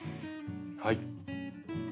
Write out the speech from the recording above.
はい。